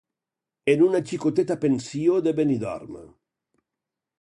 En una xicoteta pensió de Benidorm.